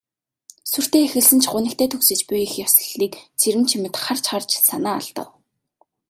Сүртэй эхэлсэн ч гунигтай төгсөж буй их ёслолыг Цэрэнчимэд харж харж санаа алдав.